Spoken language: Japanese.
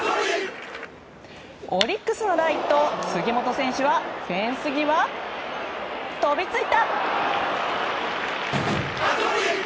オリックスのライト、杉本選手はフェンス際、飛びついた！